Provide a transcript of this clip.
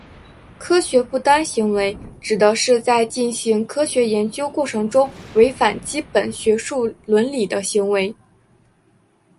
科学不端行为指的是在进行科学研究过程中违反基本学术伦理的行为。